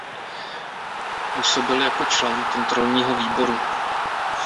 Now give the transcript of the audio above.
Působil jako člen Kontrolního výboru.